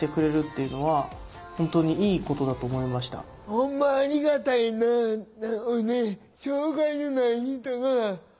ほんまありがたいなって。